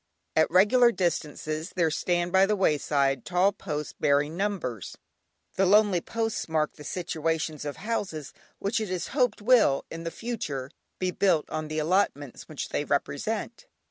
At regular distances there stand by the wayside tall posts bearing numbers. The lonely posts mark the situations of houses which it is hoped will, in the future, be built on the allotments which they represent.